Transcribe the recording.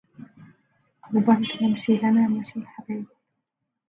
أقبلت تمشي لنا مشي الحباب